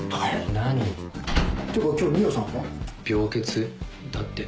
何？ってか今日海音さんは？病欠だって。